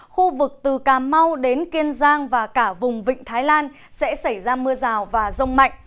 khu vực từ cà mau đến kiên giang và cả vùng vịnh thái lan sẽ xảy ra mưa rào và rông mạnh